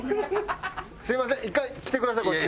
すみません１回来てくださいこっち。